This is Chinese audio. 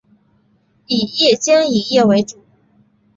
以夜间营业为主。